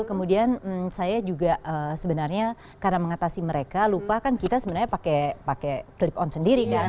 kemudian saya juga sebenarnya karena mengatasi mereka lupa kan kita sebenarnya pakai clip on sendiri kan